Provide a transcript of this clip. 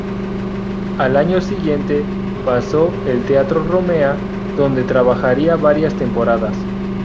Al año siguiente, pasó el Teatro Romea, donde trabajaría varias temporadas.